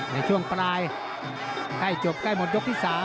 ในช่วงปลายใกล้จบใกล้หมดยกที่๓